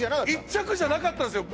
１着じゃなかったんですよ